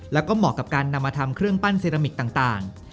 แล้วก็เหมาะกับการนำมาทำเครื่องปั้นเซรามิกต่าง